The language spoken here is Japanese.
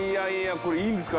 これいいんですか？